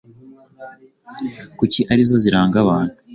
kuko ari zo ziranga abantu.